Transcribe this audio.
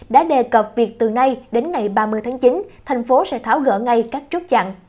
đã đề cập việc từ nay đến ngày ba mươi tháng chín thành phố sẽ tháo gỡ ngay các chốt chặn